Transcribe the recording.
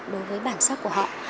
đối với bản sắc của họ